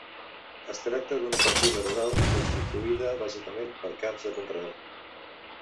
Es tracta d'una partida rural constituïda bàsicament per camps de conreu.